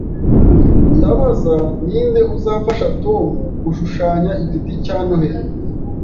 Ndabaza ninde uzafasha Tom gushushanya igiti cya Noheri